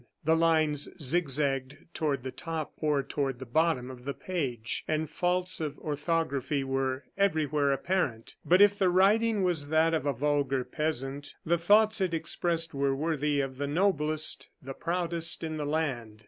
The lines zigzagged toward the top or toward the bottom of the page, and faults of orthography were everywhere apparent. But if the writing was that of a vulgar peasant, the thoughts it expressed were worthy of the noblest, the proudest in the land.